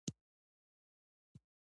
افغانستان د دځنګل حاصلات له امله شهرت لري.